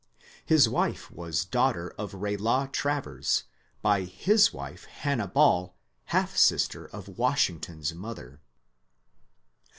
His wife was daughter of Raleigh Travers, by his wife Hannah Ball, half sister of Washington's mother.